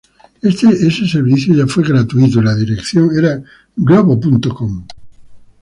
Ese servicio ya fue gratuito y la dirección era "globo.com".